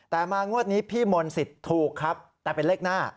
แต่มางวดนี้พี่มนต์สิทธิ์ถูกครับแต่เป็นเลขหน้า